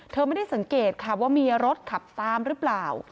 ไม่ได้สังเกตค่ะว่ามีรถขับตามหรือเปล่า